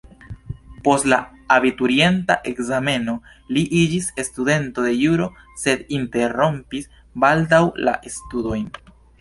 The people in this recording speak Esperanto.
Post la abiturienta ekzameno li iĝis studento de juro sed interrompis baldaŭ la studojn.